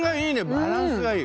バランスがいい。